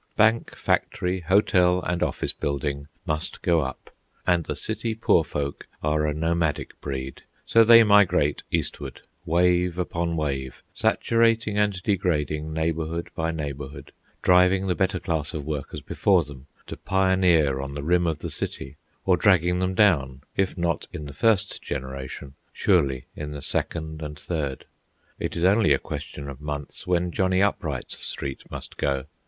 Bank, factory, hotel, and office building must go up, and the city poor folk are a nomadic breed; so they migrate eastward, wave upon wave, saturating and degrading neighbourhood by neighbourhood, driving the better class of workers before them to pioneer, on the rim of the city, or dragging them down, if not in the first generation, surely in the second and third. It is only a question of months when Johnny Upright's street must go.